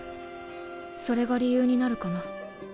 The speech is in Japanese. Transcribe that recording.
それが理由になるかな。